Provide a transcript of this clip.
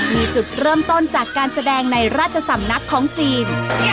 มีจุดเริ่มต้นจากการแสดงในราชสำนักของจีน